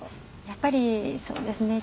「やっぱりそうですね。